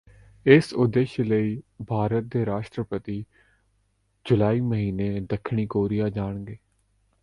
ਇਸ ਉਦੇਸ਼ ਲਈ ਭਾਰਤ ਦੇ ਰਾਸ਼ਟਰਪਤੀ ਜੁਲਾਈ ਮਹੀਨੇ ਦੱਖਣੀ ਕੋਰੀਆ ਜਾਣਗੇ